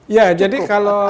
ya jadi kalau